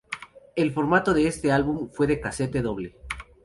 El formato de este álbum fue de casete doble.